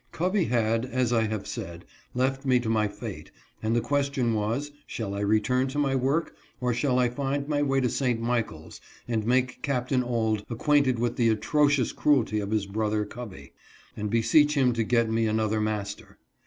Covey had, as I have said, left me to my fate, and the question was, shall I return to my work, or shall I find my way to St. Michaels and make Capt. Auld acquainted with the atrocious cruelty of his brother Covey, and beseech him to get me another master